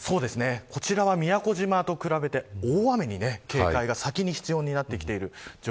こちらは宮古島と比べて大雨に先に警戒が必要になってきています。